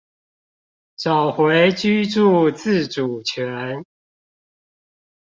找回居住自主權